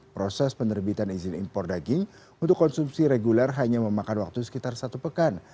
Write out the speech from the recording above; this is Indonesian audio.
proses penerbitan izin impor daging untuk konsumsi reguler hanya memakan waktu sekitar satu pekan